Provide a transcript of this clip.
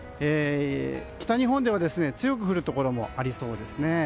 北日本では強く降るところもありそうですね。